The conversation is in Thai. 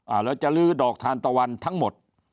แล้วจะลื้อดอกทานตะวันทั้งหมด